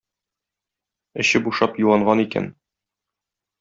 Эче бушап юанган икән.